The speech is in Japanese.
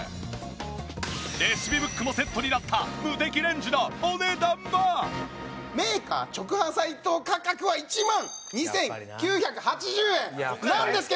レシピブックもセットになったメーカー直販サイト価格は１万２９８０円！なんですけど。